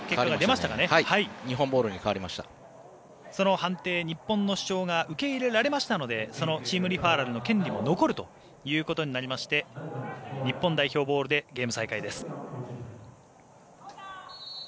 判定、日本の主張が受け入れられましたのでそのチームリファーラルの権利は残るということになりまして日本代表ボールでゲーム再開です。